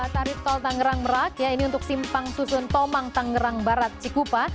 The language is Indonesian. tarif tol tanggerang merak ini untuk simpang susun tomang tanggerang barat cikupa